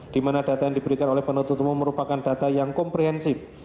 di mana data yang diberikan oleh penutup umum merupakan data yang komprehensif